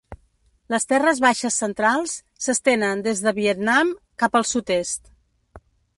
Les terres baixes centrals s'estenen des de Vietnam cap al sud-est.